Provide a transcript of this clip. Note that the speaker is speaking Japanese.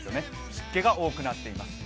湿気が多くなっています。